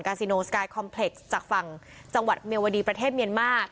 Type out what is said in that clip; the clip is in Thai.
ซิโนสกายคอมเพล็กซ์จากฝั่งจังหวัดเมียวดีประเทศเมียนมา